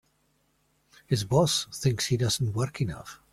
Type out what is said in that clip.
His boss thinks he doesn't work enough.